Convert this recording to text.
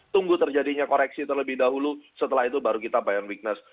tunggu terjadinya koreksi terlebih dahulu setelah itu baru kita bayang weakness